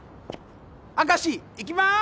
明石いきまーす！